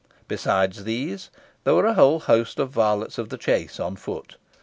Besides these, there were a whole host of varlets of the chase on foot.